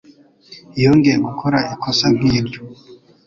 Yongeye gukora ikosa nk'iryo.